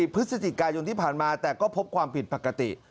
พฤศจิกายนที่ผ่านมาแต่ก็พบความผิดปกติ